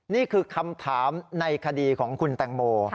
นี่คือคำถามในคดีของคุณแตงโม